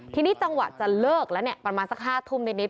ทีนี้จังหวะจะเลิกแล้วเนี่ยประมาณสัก๕ทุ่มนิด